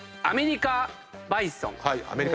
アメリカバイソン。